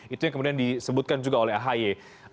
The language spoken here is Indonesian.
itu yang kemudian disebutkan juga oleh ahy